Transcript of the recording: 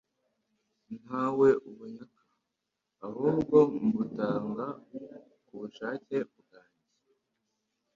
Ntawe ubunyaka. ahubwo mbutanga ku bushake bwanjye.